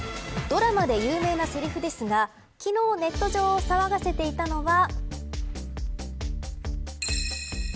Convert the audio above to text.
ドラマで有名なセリフですが昨日、ネット上を騒がせていたのは。